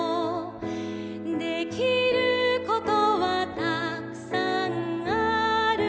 「できることはたくさんあるよ」